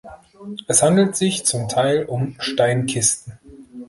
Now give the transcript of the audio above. Es handelt sich zum Teil um Steinkisten.